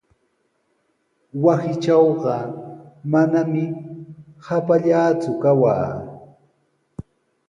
Wasiitrawqa manami hapallaaku kawaa.